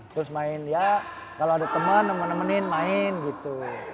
terus main ya kalo ada temen nemenin main gitu